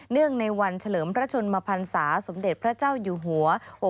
งในวันเฉลิมพระชนมพันศาสมเด็จพระเจ้าอยู่หัว